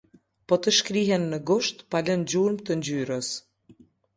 Po të shkrihen në grusht pa lënë gjurmë të ngjyrës.